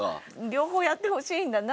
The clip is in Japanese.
両方やってほしいんだな